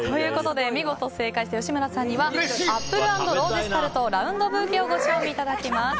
見事正解した吉村さんにはアップル＆ローゼスタルトラウンドブーケをご賞味いただきます。